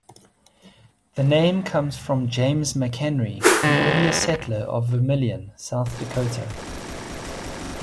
The name comes from James McHenry, an early settler of Vermillion, South Dakota.